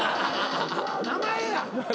名前や！